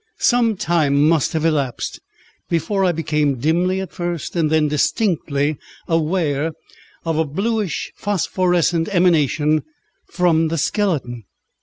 Some time must have elapsed before I became, dimly at first, and then distinctly, aware of a bluish phosphorescent emanation from the skeletion.